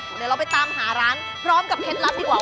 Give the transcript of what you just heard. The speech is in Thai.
เดี๋ยวเราไปตามหาร้านพร้อมกับเคล็ดลับดีกว่า